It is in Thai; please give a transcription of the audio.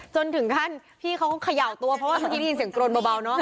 จนถึงขั้นพี่เค้าทั้งขยาวตัวเพราะเมียเห็นเสียงกลนเบา